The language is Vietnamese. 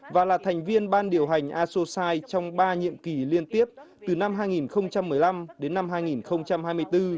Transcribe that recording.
và là thành viên ban điều hành asosci trong ba nhiệm kỳ liên tiếp từ năm hai nghìn một mươi năm đến năm hai nghìn hai mươi bốn